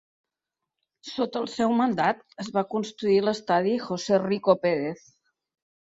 Sota el seu mandat es va construir l'estadi José Rico Pérez.